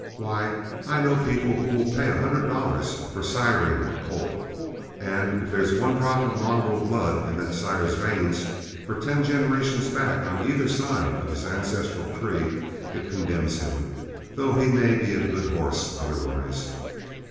Why, I know people who will pay a hundred dollars for siring a colt, and if there's one drop of mongrel blood in that sire's veins for ten generations back on either side of his ancestral tree, it condemns him, though he may be a good horse otherwise.